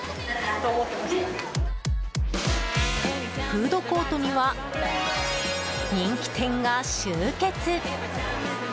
フードコートには人気店が集結！